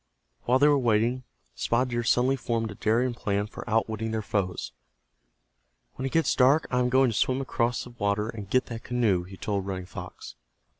While they were waiting, Spotted Deer suddenly formed a daring plan for outwitting their foes. "When it gets dark I am going to swim across the water, and get that canoe," he told Running Fox.